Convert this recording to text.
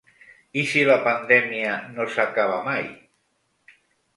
I si la pandèmia no s’acaba mai?